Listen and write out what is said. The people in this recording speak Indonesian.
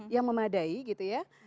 yang memadai gitu ya